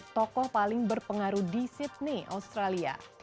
tokoh paling berpengaruh di sydney australia